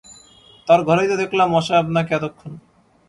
তার ঘরেই তো দেখলাম মশায় আপনাকে এতক্ষণ?